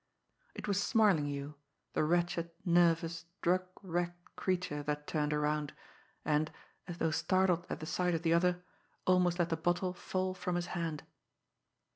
It was "Smarlinghue," the wretched, nervous, drug wrecked creature that turned around and, as though startled at the sight of the other, almost let the bottle fall from his hand.